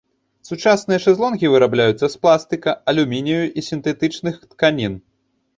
Сучасныя шэзлонгі вырабляюцца з пластыка, алюмінію і сінтэтычных тканін.